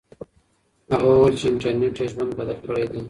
هغه وویل چې انټرنیټ یې ژوند بدل کړی دی.